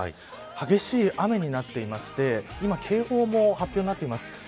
激しい雨になっていまして今、警報も発表になっています。